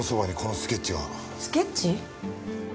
スケッチ？